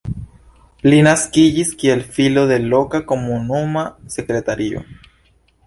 Li naskiĝis kiel filo de loka komunuma sekretario.